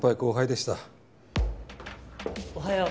おはよう。